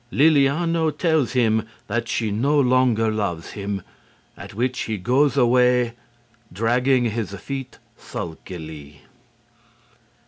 Lilliano tells him that she no longer loves him, at which he goes away, dragging his feet sulkily.